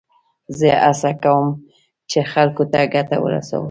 زه هڅه کوم، چي خلکو ته ګټه ورسوم.